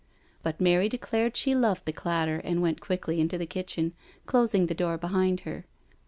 But Mary declared she loved the clatter and went quickly into the kitchen, closing the door behind her.